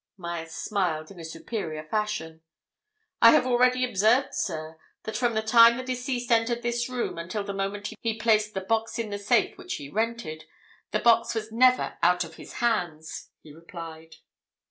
Myerst smiled in a superior fashion. "I have already observed, sir, that from the time the deceased entered this room until the moment he placed the box in the safe which he rented, the box was never out of his hands," he replied.